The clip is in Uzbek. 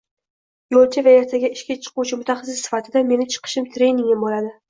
Yoʻlchi va ertaga ishga chiquvchi mutaxassis sifatida meni chiqishim, treningim boʻladi